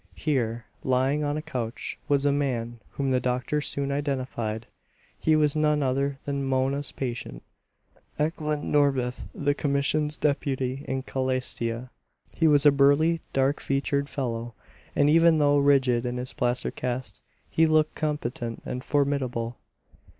Here, lying on a couch, was a man whom the doctor soon identified. He was none other than Mona's patient, Eklan Norbith, the commission's deputy in Calastia. He was a burly, dark featured fellow; and even though rigid in his plaster cast, he looked competent and formidable.